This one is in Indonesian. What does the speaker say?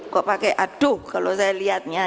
kok pakai aduh kalau saya lihatnya